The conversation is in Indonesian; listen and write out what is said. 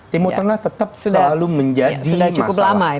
timur tengah tetap selalu menjadi masalah